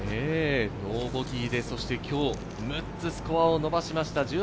ノーボギーで、そして今日６つスコアを伸ばしました。